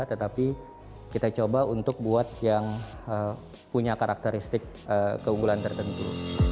tetapi kita coba untuk buat yang punya karakteristik keunggulan tertentu